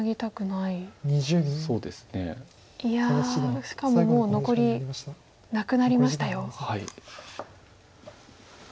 いやしかももう残りなくなりましたよ。